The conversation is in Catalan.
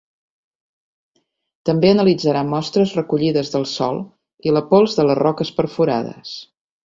També analitzarà mostres recollides del sòl i la pols de les roques perforades.